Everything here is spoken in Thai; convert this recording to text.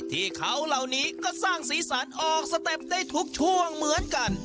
ที่เขาเหล่านี้ก็สร้างสีสันออกสเต็ปได้ทุกช่วงเหมือนกัน